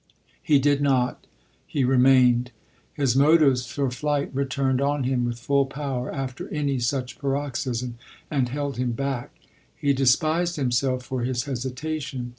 He did not — lie remained. His motives for flight returned on him with full power after any such parox ysm, and held him back, lie despised himself for his hesitation.